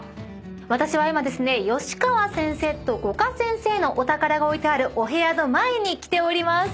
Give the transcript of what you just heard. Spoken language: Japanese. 私は今吉川先生と五箇先生のお宝が置いてあるお部屋の前に来ております。